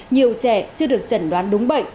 nhiều trẻ chưa được chẩn đoán đúng bệnh